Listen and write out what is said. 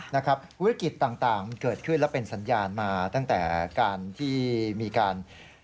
วิกฤตต่างเกิดขึ้นและเป็นสัญญาณมาตั้งแต่การที่มีการ